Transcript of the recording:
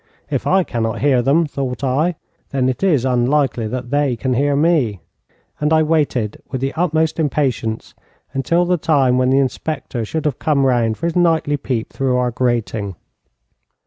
'If I cannot hear them,' thought I, 'then it is unlikely that they can hear me'; and I waited with the utmost impatience until the time when the inspector should have come round for his nightly peep through our grating.